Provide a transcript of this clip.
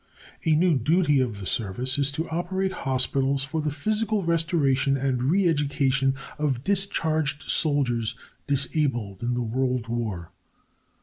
A new duty of the Service is to operate hospitals for the physical restoration and re education of discharged soldiers disabled in the World War.